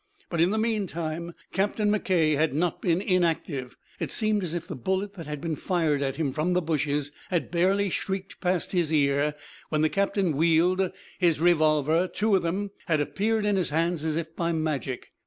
But in the meantime Captain. McKay had not been inactive. It seemed as if the bullet that had been fired at him from the bushes had barely shrieked past his ear, when the captain wheeled. His revolver two of them had appeared in his hands as if by magic.